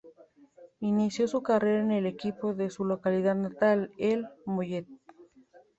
Inició su carrera en el equipo de su localidad natal, el Mollet.